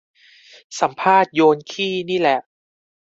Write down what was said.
สัมภาษณ์โยนขี้นี่แหละ